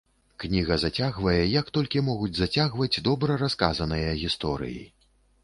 Кніга зацягвае, як толькі могуць зацягваць добра расказаныя гісторыі.